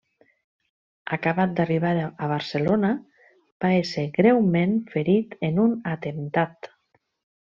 Acabat d'arribar a Barcelona va ésser greument ferit en un atemptat.